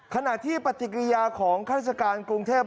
ขณะที่ปฏิกิริยาของข้าราชการกรุงเทพ